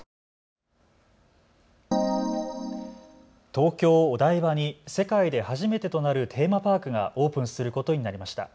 東京お台場に世界で初めてとなるテーマパークがオープンすることになりました。